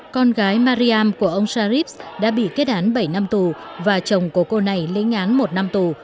con gái mariam của ông sharif đã bị kết án bảy năm tù và chồng của cô này lĩnh án một năm tù